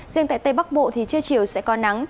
riêng tại tây bắc bộ thì trưa chiều sẽ có nắng